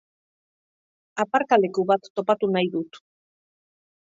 Aparkaleku bat topatu nahi dut